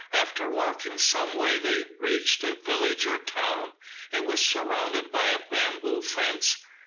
After walking some way they reached a village or town. It was surrounded by a bamboo fence.